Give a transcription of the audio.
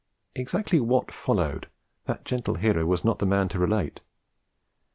Exactly what followed, that gentle hero was not the man to relate.